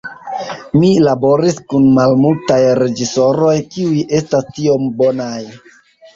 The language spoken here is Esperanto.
Mi laboris kun malmultaj reĝisoroj kiuj estas tiom bonaj".